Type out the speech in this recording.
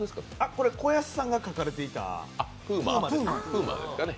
これ、子安さんが描かれていたＰＵＭＡですね。